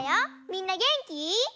みんなげんき？